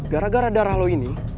gara gara darah darah lo ini